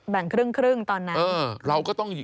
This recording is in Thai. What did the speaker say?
แบ่งครึ่งตอนนั้น